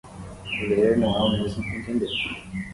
Ler não é o mesmo que entender.